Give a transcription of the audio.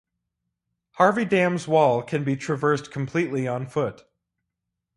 Harvey Dam's wall can be traversed completely on foot.